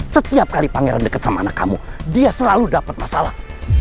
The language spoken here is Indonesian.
setiap kali pangeran dekat sama anak kamu dia selalu dapat masalah